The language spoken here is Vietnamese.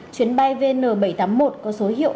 chuyến bay vn bảy trăm tám mươi một có số hiệu